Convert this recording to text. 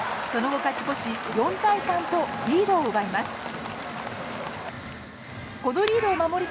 その後、勝ち越し４対３とリードを奪います。